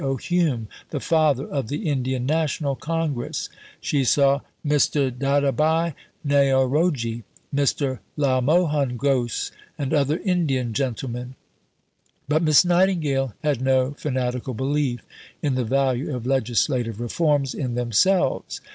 O. Hume, "the father of the Indian National Congress." She saw Mr. Dadabhai Naoroji, Mr. Lalmohun Ghose, and other Indian gentlemen. But Miss Nightingale had no fanatical belief in the value of legislative reforms in themselves.